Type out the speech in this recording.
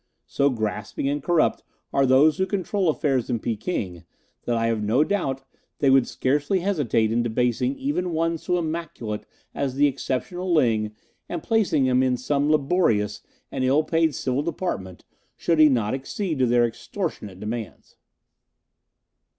"So grasping and corrupt are those who control affairs in Peking that I have no doubt they would scarcely hesitate in debasing even one so immaculate as the exceptional Ling, and placing him in some laborious and ill paid civil department should he not accede to their extortionate demands."